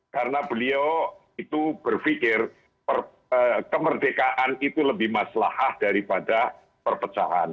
karena beliau itu berpikir kemerdekaan itu lebih masalah daripada perpecahan